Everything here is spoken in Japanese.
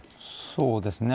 そうですね。